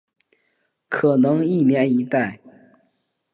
可能一年一代。